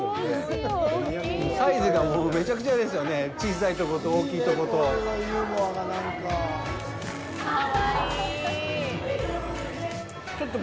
サイズがもうめちゃくちゃですよね、小さいところと、大きいところと。